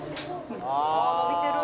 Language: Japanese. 「あっ伸びてる！」